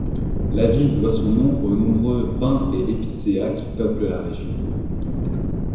La ville doit son nom aux nombreux pins et épicéas qui peuplent la région.